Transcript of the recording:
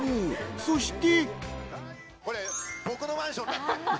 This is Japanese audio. そして。